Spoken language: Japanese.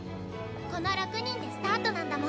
この６人でスタートなんだもん。